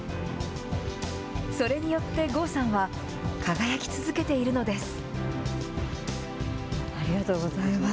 それによって、郷さんは輝き続けているのです。